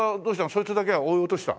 そいつだけは落とした？